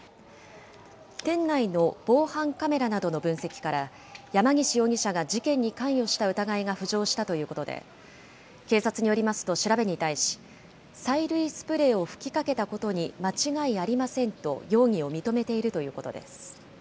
店内の防犯カメラなどの分析から、山ぎし容疑者が事件に関与した疑いが浮上したということで、警察によりますと調べに対し、催涙スプレーを吹きかけたことに間違いありませんと容疑を認めているということです。